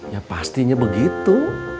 ya pastinya begitu